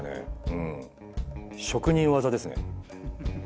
うん職人技ですね。